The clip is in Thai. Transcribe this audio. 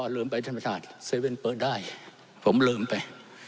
อ้อลืมไปท่านประธานเซเว่นเปิดได้ผมลืมไป